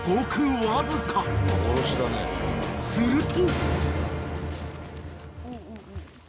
［すると］